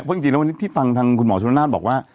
เพราะจริงแล้ววันนี้ที่ฟังทางคุณหมอชนนานบอกว่า